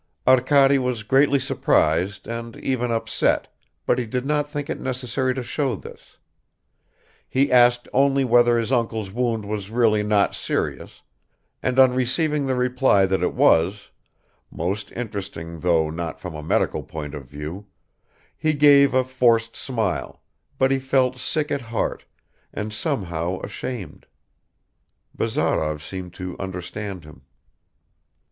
Arkady was greatly surprised and even upset, but he did not think it necessary to show this; he asked only whether his uncle's wound was really not serious, and on receiving the reply that it was most interesting, though not from a medical point of view he gave a forced smile, but he felt sick at heart and somehow ashamed. Bazarov seemed to understand him.